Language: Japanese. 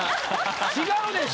違うでしょ。